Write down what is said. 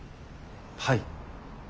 はい。